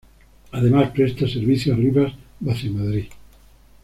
Además presta servicio a Rivas-Vaciamadrid.